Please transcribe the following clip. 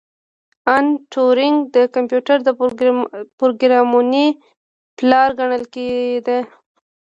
الن ټورینګ د کمپیوټر د پروګرامونې پلار ګڼل کیده